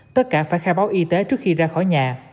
tất cả phải khai báo y tế trước khi ra khỏi nhà